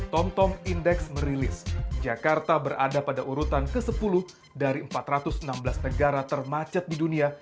tomtom index merilis jakarta berada pada urutan ke sepuluh dari empat ratus enam belas negara termacet di dunia